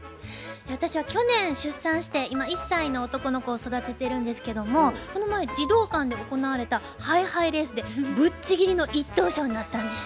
私は去年出産して今１歳の男の子を育ててるんですけどもこの前児童館で行われたハイハイレースでぶっちぎりの１等賞になったんです。